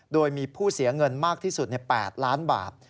โดยมีผู้เสียเงินมากที่สุด๘ล้านบาท